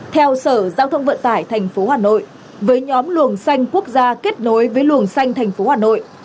theo sở giao thông vận tải tp hà nội với nhóm luồng xanh quốc gia kết nối với luồng xanh thành phố hà nội